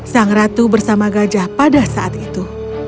sang ratu bersama gajah pada saat itu